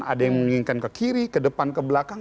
ada yang menginginkan ke kiri ke depan ke belakang